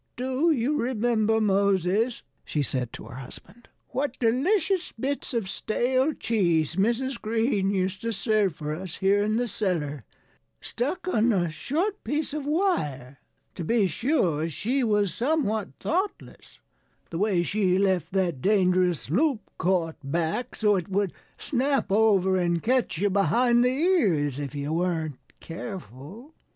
"Do you remember, Moses," she said to her husband, "what delicious bits of stale cheese Mrs. Green used to serve for us here in the cellar, stuck on a short piece of wire? To be sure, she was somewhat thoughtless the way she left that dangerous loop caught back, so it would snap over and catch you behind the ears if you weren't careful.